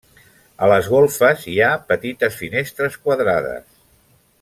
A les golfes hi ha petites finestres quadrades.